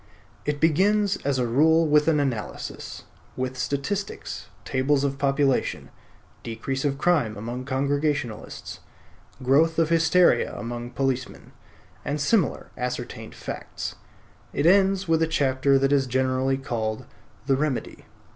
It begins as a rule with an analysis, with statistics, tables of population, decrease of crime among Congregationalists, growth of hysteria among policemen, and similar ascertained facts; it ends with a chapter that is generally called "The Remedy."